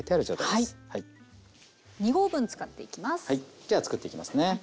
じゃあ作っていきますね。